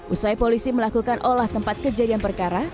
usai polisi melakukan olah tempat kejadian perkara